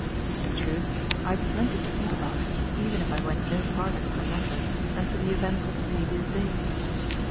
In truth, I had plenty to think about even if I went no farther for matter than to the events of the previous day.